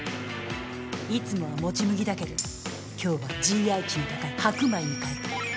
いつもは、もち麦だけど今日はＧＩ値の高い白米に変えた。